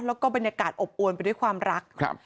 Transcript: แล้วก็บรรยากาศอบอวนไปด้วยความรักครับ